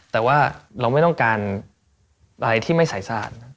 แต่ว่าเราไม่ต้องการอะไรที่ไม่ใส่สะอาด